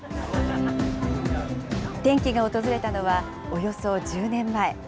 転機が訪れたのはおよそ１０年前。